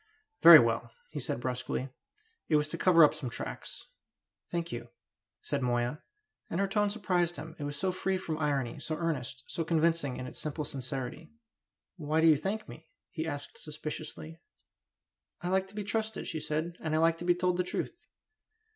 "Very well!" he said brusquely. "It was to cover up some tracks." "Thank you," said Moya; and her tone surprised him, it was so free from irony, so earnest, so convincing in its simple sincerity. "Why do you thank me?" he asked suspiciously. "I like to be trusted," she said. "And I like to be told the truth."